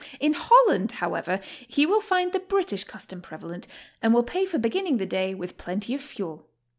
In Hol land, however, he will find the British custom prevalent, and will pay for beginning the day with plenty of fuel.